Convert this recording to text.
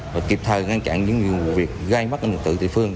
và kịp thời ngăn chặn những việc gây mất an ninh trật tự trên địa bàn phường